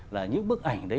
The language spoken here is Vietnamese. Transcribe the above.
là những bức ảnh đấy